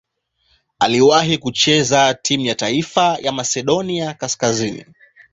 Aliwahi kucheza timu ya taifa ya Masedonia Kaskazini.